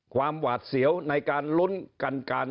หวาดเสียวในการลุ้นกันการ